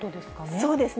そうですね。